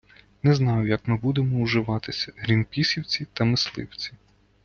Не знаю, як ми будемо уживатися: грінпісівці та мисливці....